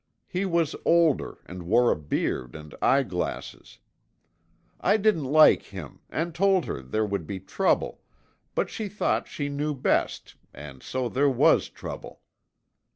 He was older and wore a beard and eyeglasses. I didn't like him and told her there would be trouble, but she thought she knew best, and so there was trouble."